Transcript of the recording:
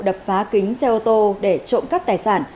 đập phá kính xe ô tô để trộm cắp tài sản